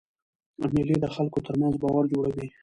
مېلې د خلکو ترمنځ باور جوړوي.